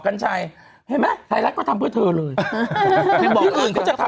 มันมีสองตัวเห็นไหม